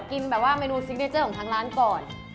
กินแบบว่าเมนูซิกเนเจอร์ของทางร้านก่อน